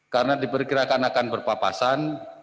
karena diperkirakan akan berpapasan